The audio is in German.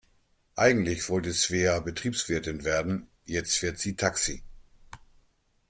Eigentlich wollte Svea Betriebswirtin werden, jetzt fährt sie Taxi.